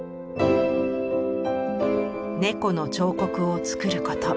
猫の彫刻を作ること。